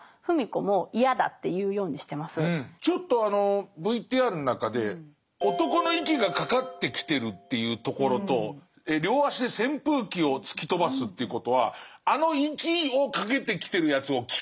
ちょっとあのＶＴＲの中で男の息がかかって来てるというところと両足で扇風器を突き飛ばすということはあの息をかけてきてるやつを機械としてるってこと？